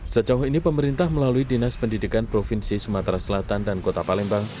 sejauh ini pemerintah melalui dinas pendidikan provinsi sumatera selatan dan kota palembang